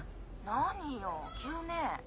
☎何よ急ねえ。